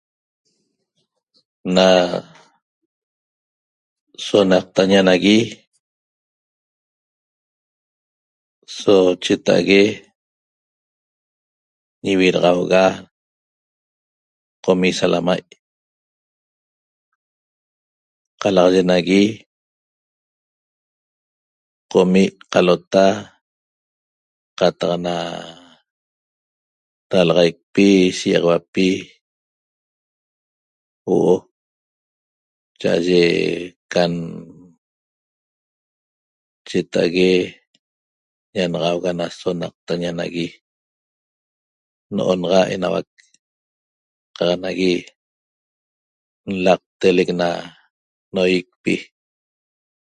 Na sonaqtaña nagui so chita'ague ñividaxauga qomi' salamai' qalaxaye nagui qomi' qalota qataq na dalaxaicpi shiýaxauapi huo'o cha'aye can chita'ague ñanaxauga na sonaqtaña nagui n'onaxa enauac qaq nagui nlaqtelec na noýicpi